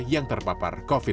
yang terpapar covid sembilan belas